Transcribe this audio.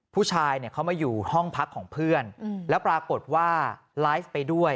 ผู้ชายเนี่ยเขามาอยู่ห้องพักของเพื่อนแล้วปรากฏว่าไลฟ์ไปด้วย